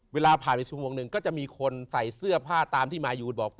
เวลาผ่านไปชั่วโมงหนึ่งก็จะมีคนใส่เสื้อผ้าตามที่มายูนบอก